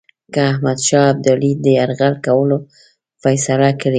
که احمدشاه ابدالي د یرغل کولو فیصله کړې.